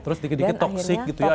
terus dikit dikit toksik gitu ya